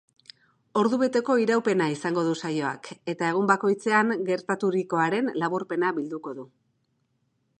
Ordubeteko iraupena izango du saioak eta egun bakoitzean gertaturikoaren laburpena bilduko du.